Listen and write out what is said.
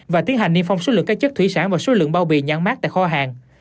và tiến hành niêm phong số lượng các chất thủy sản và số lượng bao bì nhãn mát tại kho hàng